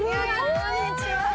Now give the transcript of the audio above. こんにちは！